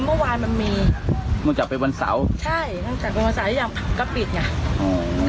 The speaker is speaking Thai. เออเมื่อวานมันมีมันจากเป็นวันเสาร์ใช่มันจากเป็นวันเสาร์ที่ยังก็ปิดไงอ๋อ